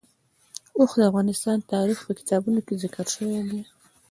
اوښ د افغان تاریخ په کتابونو کې ذکر شوی دی.